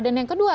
dan yang kedua